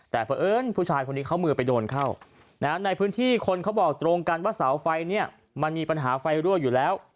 แต่เพราะเอิญผู้ชายคนนี้เขามือไปโดนเข้าในพื้นที่คนเขาบอกตรงกันว่าเสาไฟเนี่ยมันมีปัญหาไฟรั่วอยู่แล้ว